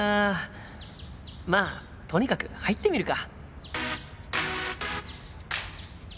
まあとにかく入ってみるか。